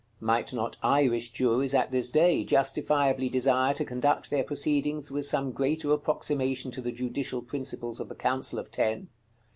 Might not Irish juries at this day justifiably desire to conduct their proceedings with some greater approximation to the judicial principles of the Council of Ten?